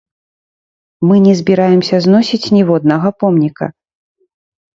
Мы не збіраемся зносіць ніводнага помніка.